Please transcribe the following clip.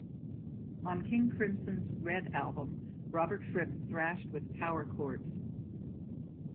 On King Crimson's "Red" album, Robert Fripp thrashed with power chords.